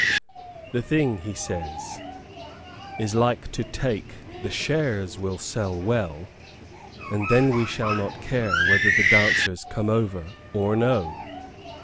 "The thing," he says, "is like to take; the shares will sell well; and then we shall not care whether the dancers come over or no."